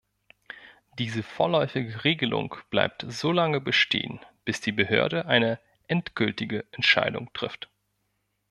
Diese vorläufige Regelung bleibt solange bestehen, bis die Behörde eine endgültige Entscheidung trifft.